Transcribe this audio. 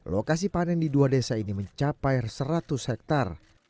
lokasi panen di dua desa ini mencapai reserah